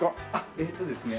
えーっとですね